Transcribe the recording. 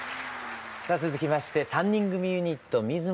さあ続きまして３人組ユニット水雲−ＭＩＺＭＯ